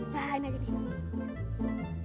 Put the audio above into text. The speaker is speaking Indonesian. nah ini aja deh